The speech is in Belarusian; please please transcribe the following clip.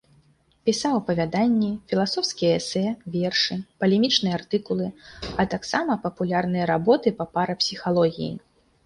Пісаў апавяданні, філасофскія эсэ, вершы, палемічныя артыкулы, а таксама папулярныя работы па парапсіхалогіі.